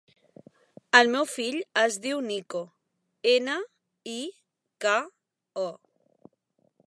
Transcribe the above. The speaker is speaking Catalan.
El meu fill es diu Niko: ena, i, ca, o.